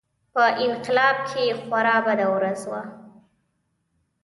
په انقلاب کې خورا بده ورځ وه.